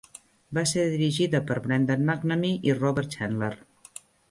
Va ser dirigida per Brendan McNamee i Robert Chandler.